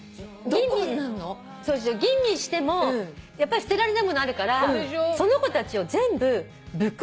吟味してもやっぱり捨てられないものあるからその子たちを全部ブックカバーにすることにしたの。